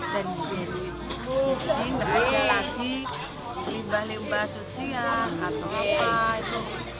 jadi berarti lagi limbah limbah sucian atau apa itu